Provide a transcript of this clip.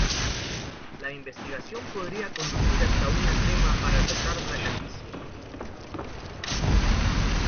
La investigación podría conducir hasta una crema para tratar la calvicie.